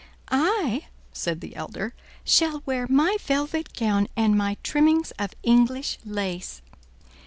"I," said the elder, "shall wear my velvet gown and my trimmings of English lace."